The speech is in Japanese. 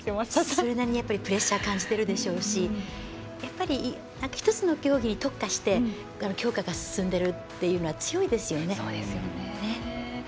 それなりにプレッシャー感じてるでしょうし１つの競技に特化して強化が進んでるというのは強いですよね。